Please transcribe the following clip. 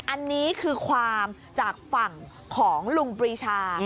อันนี้คือความจากฝั่งของลุงปรีชา